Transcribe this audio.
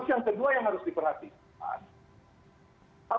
yang kedua yang harus diperhatikan